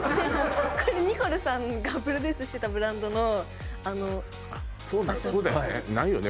これニコルさんがプロデュースしてたブランドのあの場所ないよね